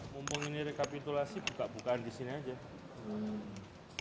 mumpung ini rekapitulasi buka bukaan di sini aja